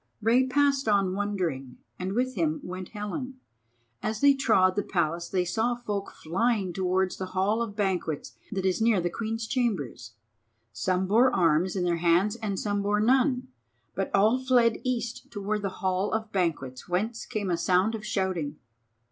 Rei passed on wondering, and with him went Helen. As they trod the Palace they saw folk flying towards the hall of banquets that is near the Queen's chambers. Some bore arms in their hands and some bore none, but all fled east towards the hall of banquets, whence came a sound of shouting.